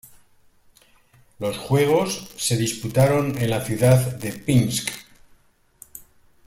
Los juegos se disputaron en la ciudad de Pinsk.